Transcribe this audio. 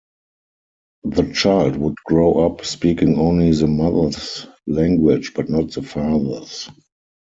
The child would grow up speaking only the mother's language, but not the father's.